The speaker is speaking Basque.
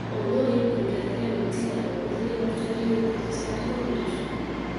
Ondoren, inplantean eutsita egongo diren hortz berriek ordezkatuko dituzte.